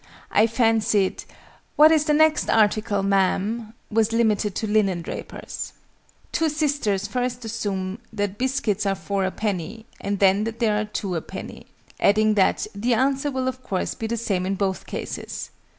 I fancied "What is the next article, Ma'am?" was limited to linendrapers. TWO SISTERS first assume that biscuits are 4 a penny, and then that they are 2 a penny, adding that "the answer will of course be the same in both cases."